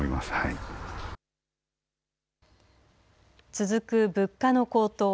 続く物価の高騰。